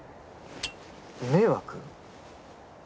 迷惑？